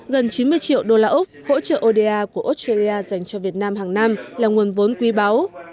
gần chín mươi triệu đô la úc hỗ trợ oda của australia dành cho việt nam hàng năm là nguồn vốn quý báu